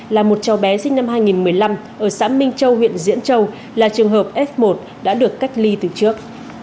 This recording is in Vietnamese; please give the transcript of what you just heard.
là một cháu bé sinh năm hai nghìn một mươi năm ở xã minh châu huyện diễn châu là trường hợp f một đã được cách ly từ trước